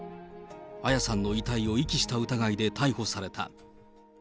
彩さんの遺体を遺棄した疑いで逮捕された。